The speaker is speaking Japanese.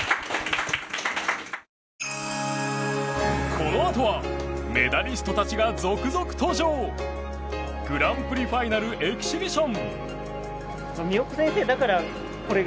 このあとはメダリストたちが続々登場グランプリファイナルエキシビション。